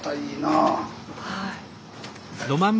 はい。